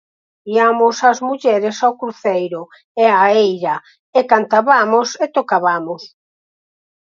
Iamos as mulleres ao cruceiro e á eira e cantabamos e tocabamos.